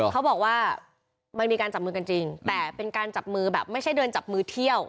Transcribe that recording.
เขาบอกว่ามันมีการจับมือกันจริงแต่เป็นการจับมือแบบไม่ใช่เดินจับมือเที่ยว